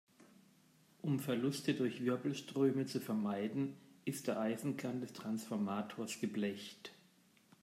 Um Verluste durch Wirbelströme zu vermeiden, ist der Eisenkern des Transformators geblecht.